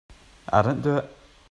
I didn't do it.